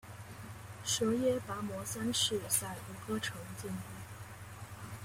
阇耶跋摩三世在吴哥城建都。